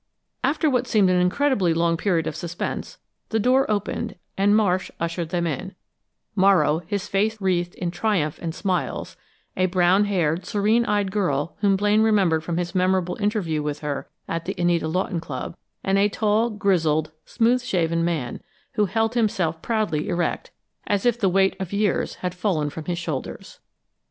After what seemed an incredibly long period of suspense, the door opened and Marsh ushered them in Morrow, his face wreathed in triumph and smiles; a brown haired, serene eyed girl whom Blaine remembered from his memorable interview with her at the Anita Lawton Club; and a tall, grizzled, smooth shaven man, who held himself proudly erect, as if the weight of years had fallen from his shoulders.